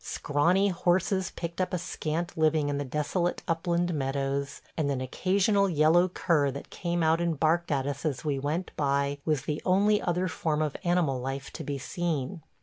Scrawny horses picked up a scant living in the desolate upland meadows; and an occasional yellow cur that came out and barked at us as we went by was the only other form of animal life to be seen.